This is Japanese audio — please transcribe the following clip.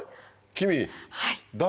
君誰？